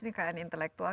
ini kan intelektual